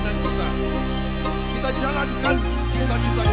tampaklah sekarang terjadilah